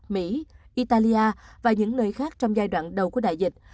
mỹ italia và những nơi khác trong giai đoạn đầu của đại dịch